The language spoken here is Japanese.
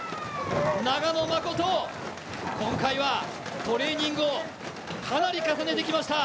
長野誠、今回はトレーニングをかなり重ねてきました。